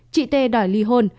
chị t đòi ly hôn